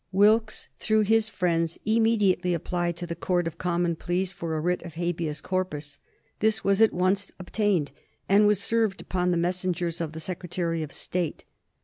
Wilkes, through his friends, immediately applied to the Court of Common Pleas for a writ of habeas corpus. This was at once obtained, and was served upon the messengers of the Secretary of State.